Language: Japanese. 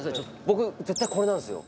僕絶対これなんですよ。